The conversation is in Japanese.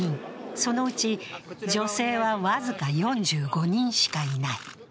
そのうち女性は僅か４５人しかいない。